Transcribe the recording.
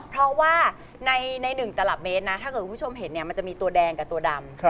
เพราะว่าใน๑ตลับเมตรนะถ้าเกิดคุณผู้ชมเห็นเนี่ยมันจะมีตัวแดงกับตัวดำ